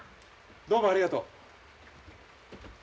どうもありがとう。